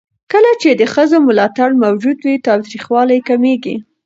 کله چې د ښځو ملاتړ موجود وي، تاوتريخوالی کمېږي.